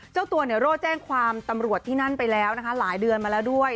เจ้าตัวเนี่ยโร่แจ้งความตำรวจที่นั่นไปแล้วนะคะหลายเดือนมาแล้วด้วย